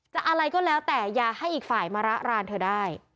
อะไรก็แล้วแต่อย่าให้อีกฝ่ายมาระรานเธอได้